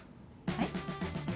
はい？